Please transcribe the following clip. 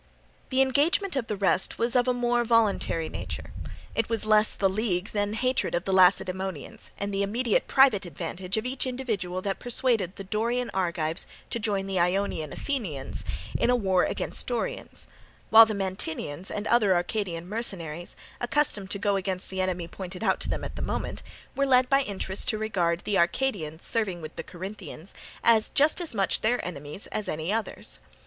The engagement of the rest was more of a voluntary nature. It was less the league than hatred of the Lacedaemonians and the immediate private advantage of each individual that persuaded the Dorian Argives to join the Ionian Athenians in a war against Dorians; while the Mantineans and other Arcadian mercenaries, accustomed to go against the enemy pointed out to them at the moment, were led by interest to regard the Arcadians serving with the Corinthians as just as much their enemies as any others.